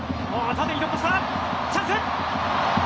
縦に突破した、チャンス。